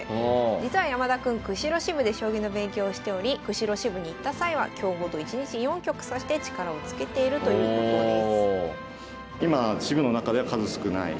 実は山田君釧路支部で将棋の勉強をしており釧路支部に行った際は強豪と一日４局指して力をつけているということです。